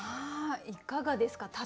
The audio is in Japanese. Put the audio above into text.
いかがですか？